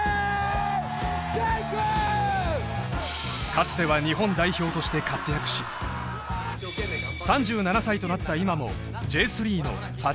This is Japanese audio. かつては日本代表として活躍し３７歳となった